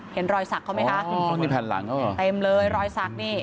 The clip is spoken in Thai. เห็นรอยสักเขาไหมคะนี่แผ่นหลังเขาเหรอเต็มเลยรอยสักนี่